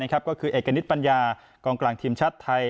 ก็คือเอกณิตปัญญากองกลางทีมชาติไทย